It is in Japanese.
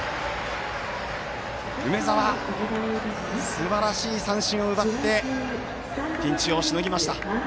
梅澤、すばらしい三振を奪ってピンチをしのぎました。